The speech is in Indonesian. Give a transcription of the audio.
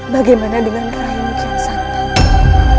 bagaimana dengan raya mujian santan